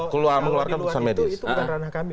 kalau di luar itu bukan ranah kami